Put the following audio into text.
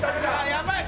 やばい！